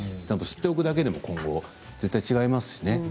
ちゃんと知っておくだけでも今後、絶対違いますしね。